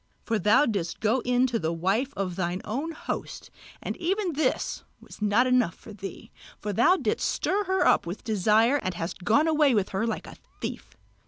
For thou didst go in to the wife of thine own host; and even this was not enough for thee, but thou didst stir her up with desire and hast gone away with her like a thief.